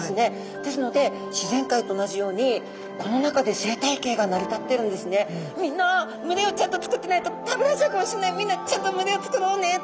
ですので自然界と同じようにみんな群れをちゃんとつくってないと食べられちゃうかもしれないみんなちゃんと群れをつくろうねと。